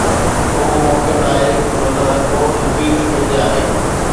ڪو به موقعو ناهي ڇو ته هرڪو هڪ ئي صفحي تي آهي